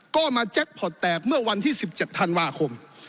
ก็มาแจ็คพอร์ตแตกเมื่อวันที่๑๗ธันวาคม